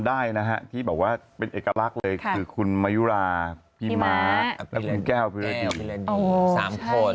ทำได้นะฮะที่บอกว่าเป็นเอกลักษณ์เลยคุณมายุราัภพิมาภิแลนดี